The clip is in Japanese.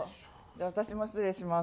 私も失礼します。